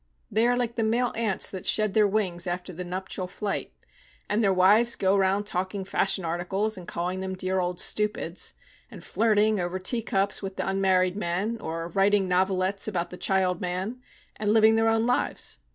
They are like the male ants that shed their wings after the nuptial flight. And their wives go round talking fashion articles, and calling them dear old stupids, and flirting over teacups with the unmarried men, or writing novelettes about the child man, and living their own lives.